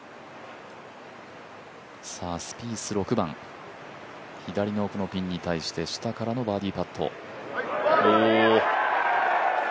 スピース、６番左の奥のピンに対して下からのバーディーパット。